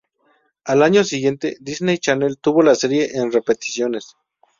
Al año siguiente, Disney Channel tuvo la serie en repeticiones.